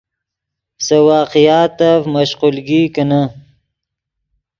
سے واقعاتف مشقولگی کینے